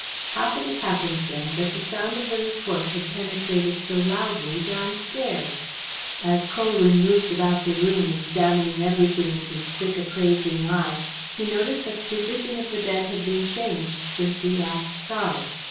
How had it happened, then, that the sound of the report had penetrated so loudly downstairs? As Colwyn moved about the room, examining everything with his quick appraising eye, he noticed that the position of the bed had been changed since he last saw it.